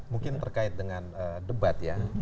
mungkin terkait dengan debat ya